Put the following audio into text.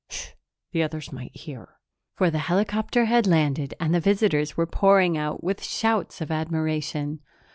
"Shh. The others might hear." For the helicopter had landed and the visitors were pouring out, with shouts of admiration.